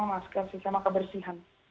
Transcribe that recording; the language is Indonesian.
masker dan kebersihan